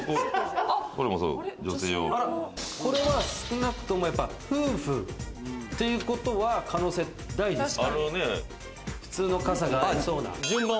これは少なくとも夫婦っていうことは可能性大ですね。